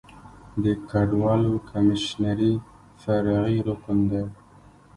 د کډوالو کمیشنري فرعي رکن دی.